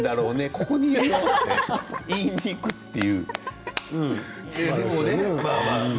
ここにいるよって言いにいくという。